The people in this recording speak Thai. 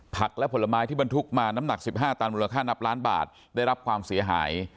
ผลและผลไม้ที่บรรทุกมาน้ำหนัก๑๕ตันมูลค่านับล้านบาทได้รับความเสียหาย